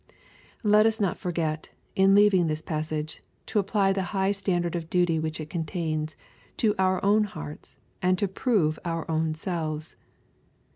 Let us not forget, in leaving this passage, to apply the high standard of duty which it contains, to our own hearts, and to prove our own selves.